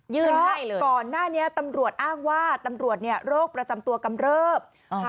เพราะก่อนหน้านี้ตำรวจอ้างว่าตำรวจเนี่ยโรคประจำตัวกำเริบ